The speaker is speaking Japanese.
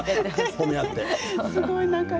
褒め合って。